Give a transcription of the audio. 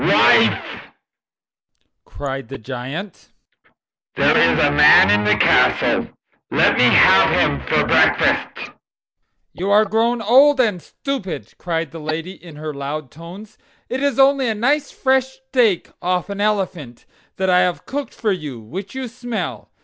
"Wife," cried the Giant, "there is a man in the castle. Let me have him for breakfast." "You are grown old and stupid," cried the lady, in her loud tones. "It is only a nice fresh steak off an elephant, that I have cooked for you, which you smell.